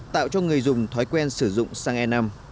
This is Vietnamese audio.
tạo cho người dùng thói quen sử dụng sang e năm